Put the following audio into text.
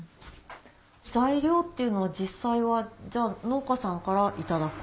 材料っていうのは実際は農家さんから頂く？